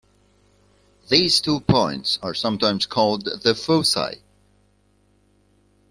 These two points are sometimes called the foci.